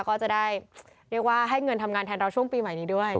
ก็จะได้เรียกว่าให้เงินทำงานแทนเราช่วงปีใหม่นี้ด้วย